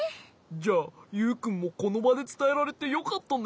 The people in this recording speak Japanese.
じゃあユウくんもこのばでつたえられてよかったね。